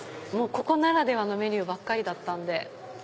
ここならではのメニューばっかりだったんで。